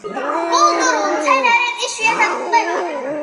კულტურულ მცენარედ იშვიათად გვხვდება.